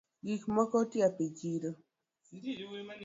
Gik mokootop e chiro